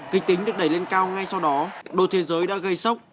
kinh tính được đẩy lên cao ngay sau đó đội thế giới đã gây sốc